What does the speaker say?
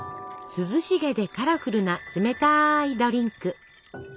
涼しげでカラフルな冷たいドリンク！